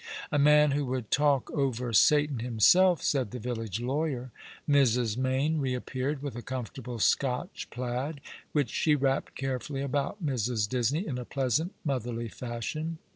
" A man who would talk over Satan himself/' said the village lawyer. Mrs. Mayne reappeared with a comfortable Scotch plaid, which she wrapped carefully about Mrs. Disney, in a pleasant, motherly fashion.